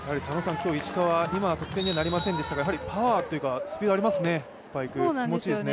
今は得点にはなりませんでしたがパワーというか、スピードありますね、スパイク。